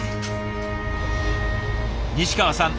西川さん